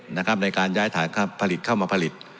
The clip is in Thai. ในการย้ายฐานผลิตเข้ามาผลิต